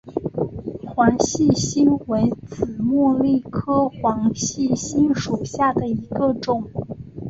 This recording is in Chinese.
黄细心为紫茉莉科黄细心属下的一个种。